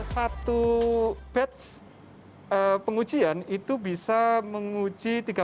satu batch pengujian itu bisa membuat kita lebih cepat